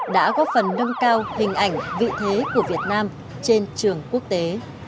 đã góp phần nâng cao hình ảnh vị thế của việt nam trên trường quốc tế